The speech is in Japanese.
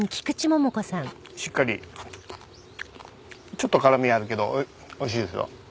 ちょっと辛みはあるけどおいしいですよ。